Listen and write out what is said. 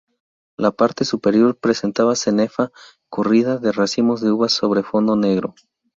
La parte superior presentaba cenefa corrida de racimos de uvas sobre fondo negro.